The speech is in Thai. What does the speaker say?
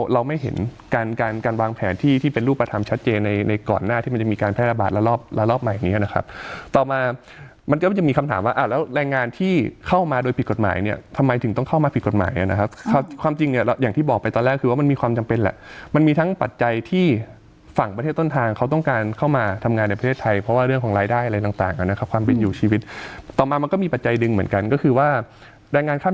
แล้วแรงงานที่เข้ามาโดยผิดกฎหมายเนี่ยทำไมถึงต้องเข้ามาผิดกฎหมายอ่ะนะครับความจริงอย่างที่บอกไปตอนแรกคือว่ามันมีความจำเป็นแหละมันมีทั้งปัจจัยที่ฝั่งประเทศต้นทางเขาต้องการเข้ามาทำงานในประเทศไทยเพราะว่าเรื่องของรายได้อะไรต่างนะครับความผิดอยู่ชีวิตต่อมามันก็มีปัจจัยดึงเหมือนกันก็